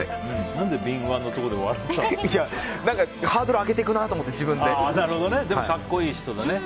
何で敏腕のところでハードル上げていくなと思ってでも格好いい人でね。